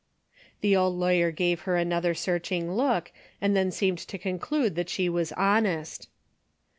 The old lawyer gave her another searching A DAILY RATE.''> 45 look and then seemed to conclude that she was honest.